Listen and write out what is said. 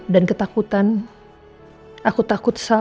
dan ketakutan aku takut salah